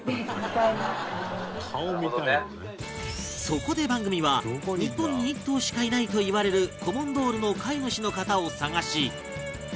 そこで番組は日本に１頭しかいないといわれるコモンドールの飼い主の方を探し